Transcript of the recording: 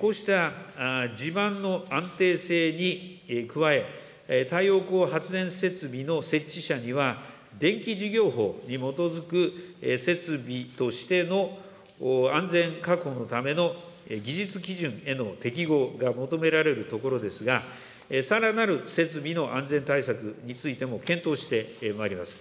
こうした地盤の安定性に加え、太陽光発電設備の設置者には、電気事業法に基づく設備としての安全確保のための技術基準への適合が求められるところですが、さらなる設備の安全対策についても、検討してまいります。